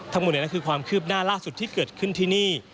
ทั้งหมดนั้นคือความคืบหน้าล่าสุดที่เกิดขึ้นที่นี่